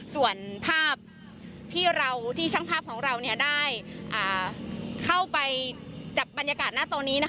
ส่วนภาพที่ช่างภาพของเราได้เข้าไปจับบรรยากาศหน้าตอนนี้